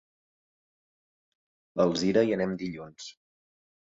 A Alzira hi anem dilluns.